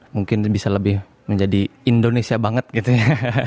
mungkin bisa lebih menjadi indonesia banget gitu ya